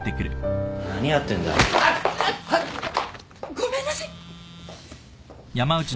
ごめんなさい。